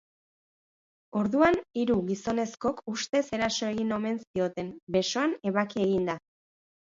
Orduan, hiru gizonezkok ustez eraso egin omen zioten, besoan ebakiak eginda.